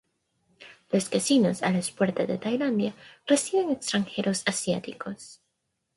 Los casinos, a las puertas de Tailandia, reciben extranjeros asiáticos.